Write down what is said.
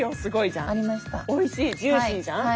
おいしいジューシーじゃん？